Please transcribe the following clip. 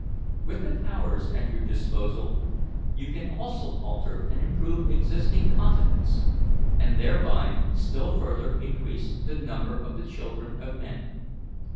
"With the powers at your disposal you can also alter and improve existing continents, and thereby still further increase the number of the children of men.